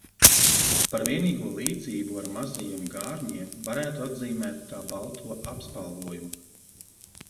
Par vienīgo līdzību ar mazajiem gārņiem varētu atzīmēt tā balto apspalvojumu.